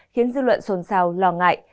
khiến dư luận sồn sào lo ngại